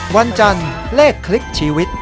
วันจันทร์เลขคลิกชีวิต